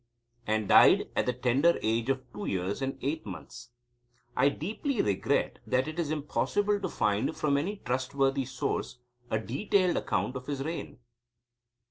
and died at the tender age of two years and eight months, I deeply regret that it is impossible to find, from any trustworthy source, a detailed account of his reign.